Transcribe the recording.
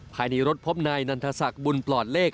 ภายในรถพบนายนันทศักดิ์บุญปลอดเลข